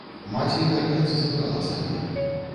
Маці гарнец забрала сабе.